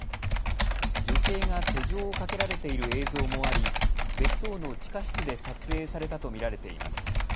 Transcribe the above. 女性が手錠をかけられている映像もあり別荘の地下室で撮影されたと見られています。